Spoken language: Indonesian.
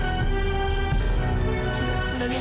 sebenarnya mira sangat merindukan mama